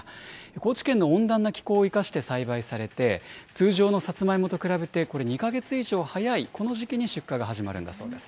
高知県の温暖な気候を生かして栽培されて、通常のサツマイモと比べてこれ、２か月以上早いこの時期に出荷が始まるんだそうです。